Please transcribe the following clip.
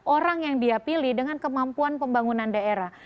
orang yang dia pilih dengan kemampuan pembangunan daerah